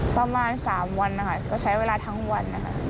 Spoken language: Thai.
ประมาณ๓วันนะคะก็ใช้เวลาทั้งวันนะคะ